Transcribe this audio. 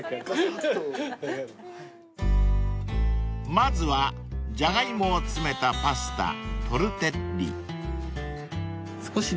［まずはジャガイモをつめたパスタトルテッリ］